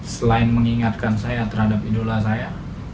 selain mengingatkan saya terhadap idola saya